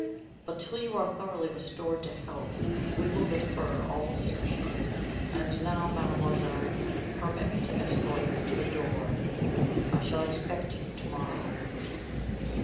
But till you are thoroughly restored to health, we will defer all discussion. And now, mademoiselle, permit me to escort you to the door. I shall expect you to morrow."